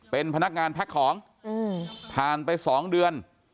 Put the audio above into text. เป็นพนักงานแพ็คของผ่านไป๒เดือน